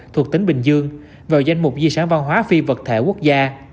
thuộc tỉnh bình dương vào danh mục di sản văn hóa phi vật thể quốc gia